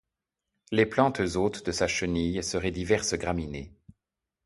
Les plantes hôtes de sa chenille seraient diverses graminées.